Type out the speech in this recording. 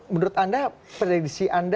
menurut anda predisi anda bacaan anda